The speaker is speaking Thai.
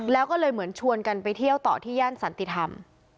แล้วก็เลยเหมือนชวนกันไปเที่ยวต่อที่ย่านสันติธรรม